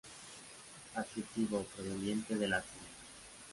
Adjetivo proveniente del latín.